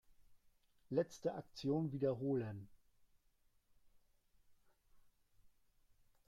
Letzte Aktion wiederholen.